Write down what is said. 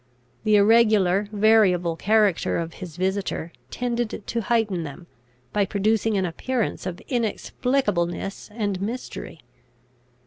The irregular, variable character of his visitor tended to heighten them, by producing an appearance of inexplicableness and mystery.